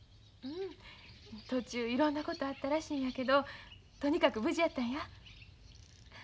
途中いろんなことあったらしいんやけどとにかく無事やったんや。